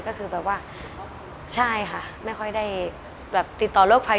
ก็คือแบบว่าใช่ค่ะไม่ค่อยได้ติดต่อโรคภายนอกเท่าไหร่